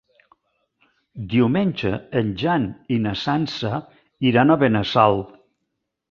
Diumenge en Jan i na Sança iran a Benassal.